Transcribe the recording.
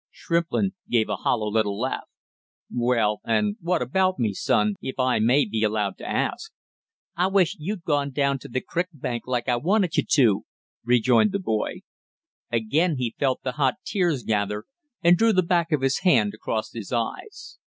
Shrimplin gave a hollow little laugh. "Well, and what about me, son if I may be allowed to ask?" "I wish you'd gone down to the crick bank like I wanted you to!" rejoined the boy. Again he felt the hot tears gather, and drew the back of his hand across his eyes.